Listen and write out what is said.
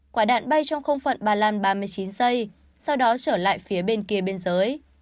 quả đạn bay trong không phận ba lan ba mươi chín giây sau đó trở lại phía bên kia biên giới